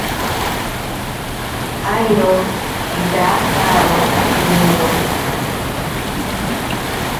Airo pirakaro piniro.